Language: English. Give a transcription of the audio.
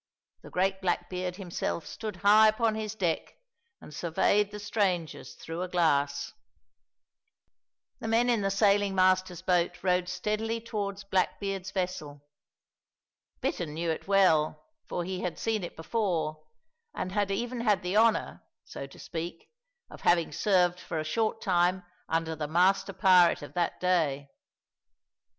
The great Blackbeard himself stood high upon his deck and surveyed the strangers through a glass. The men in the sailing master's boat rowed steadily towards Blackbeard's vessel. Bittern knew it well, for he had seen it before, and had even had the honour, so to speak, of having served for a short time under the master pirate of that day.